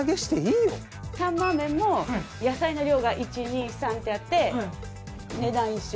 サンマーメンも野菜の量が１２３ってあって値段一緒。